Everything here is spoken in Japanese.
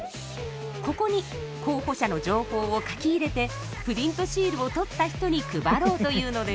ここに候補者の情報を書き入れてプリントシールを撮った人に配ろうというのです。